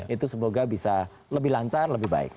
itu semoga bisa lebih lancar lebih baik